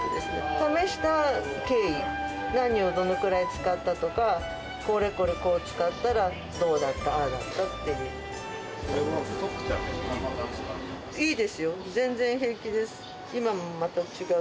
試した経緯、何をどのぐらい使ったとか、これこれこう使ったらどうだった、ああだったっていう。